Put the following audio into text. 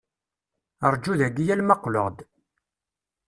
Rju dayi alamma qqleɣ-d.